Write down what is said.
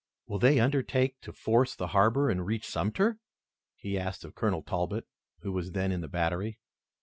"Will they undertake to force the harbor and reach Sumter?" he asked of Colonel Talbot, who was then in the battery.